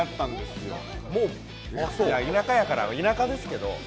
田舎やから、田舎ですけど。